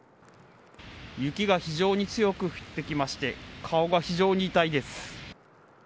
雪が非常に強く降ってきまして顔が非常に痛いです。